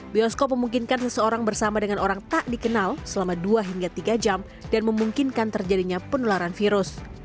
bioskop memungkinkan seseorang bersama dengan orang tak dikenal selama dua hingga tiga jam dan memungkinkan terjadinya penularan virus